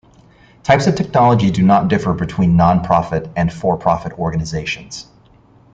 Types of technology do not differ between nonprofit and for profit organizations.